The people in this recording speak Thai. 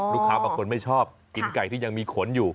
บางคนไม่ชอบกินไก่ที่ยังมีขนอยู่